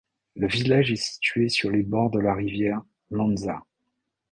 Le village est situé sur les bords de la rivière Londža.